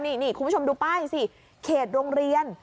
นี่คุณผู้ชมดูป้ายสิเขตโรงเรียน